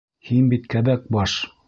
Һин бит кәбәк баш!